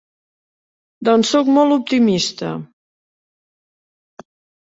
Doncs soc molt optimista.